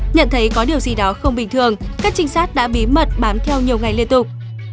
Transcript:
nhận thấy có điều gì đó không bình thường các trinh sát đã bí mật bám theo nhiều ngày liên tục